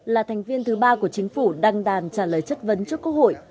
là thành viên thứ ba của chính phủ đăng đàn trả lời chất vấn trước quốc hội